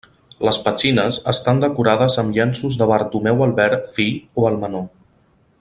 Les petxines estan decorades amb llenços de Bartomeu Albert fill o el menor.